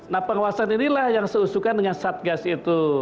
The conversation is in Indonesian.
nah pengawasan inilah yang seusukan dengan satgas itu